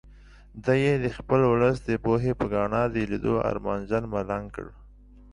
دی یې د خپل ولس د پوهې په ګاڼه د لیدو ارمانجن ملنګ کړ.